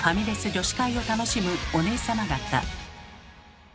女子会を楽しむおねえさま方。